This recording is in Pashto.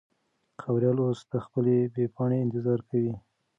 خبریال اوس د خپلې بې پاڼې انتظار کوي.